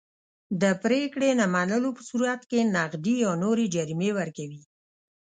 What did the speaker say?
د پرېکړې نه منلو په صورت کې نغدي یا نورې جریمې ورکوي.